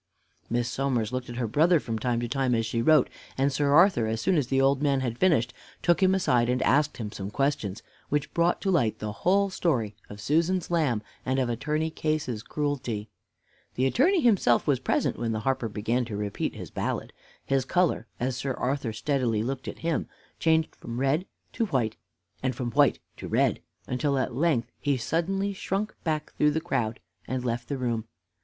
Miss Somers looked at her brother from time to time, as she wrote, and Sir Arthur, as soon as the old man had finished, took him aside and asked him some questions, which brought to light the whole story of Susan's lamb and of Attorney Case's cruelty. The Attorney himself was present when the harper began to repeat his ballad. His color, as Sir Arthur steadily looked at him, changed from red to white, and from white to red, until at length he suddenly shrunk back through the crowd and left the room.